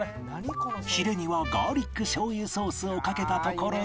ヒレにはガーリックしょう油ソースをかけたところでようやく